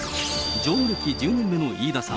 乗務歴１０年目の飯田さん。